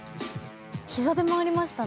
膝で回りましたね